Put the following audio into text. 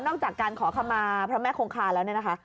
จากการขอขมาพระแม่คงคาแล้วเนี่ยนะคะ